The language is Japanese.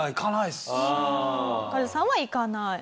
カズさんは行かない。